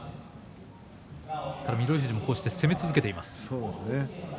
ただ、翠富士も攻め続けています。